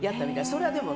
それはでも、